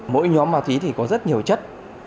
mỗi nhóm ma túy thì có rất nhiều chất